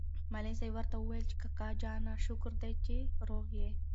معلم صاحب ورته وویل چې کاکا جانه شکر دی چې روغ یې.